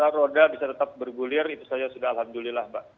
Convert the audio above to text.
roda bisa tetap bergulir itu saja sudah alhamdulillah mbak